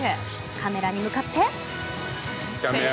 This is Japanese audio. カメラに向かって。